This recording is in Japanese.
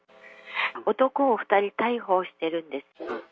男を２人逮捕してるんです。